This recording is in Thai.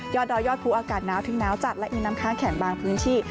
ดอยยอดภูอากาศหนาวถึงหนาวจัดและมีน้ำค้างแข็งบางพื้นที่